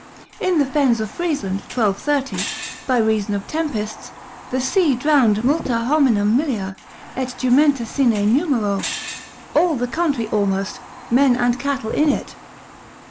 In the fens of Friesland 1230, by reason of tempests, the sea drowned multa hominum millia, et jumenta sine numero, all the country almost, men and cattle in it.